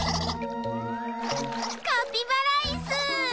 カピバライス！